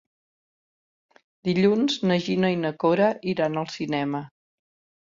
Dilluns na Gina i na Cora iran al cinema.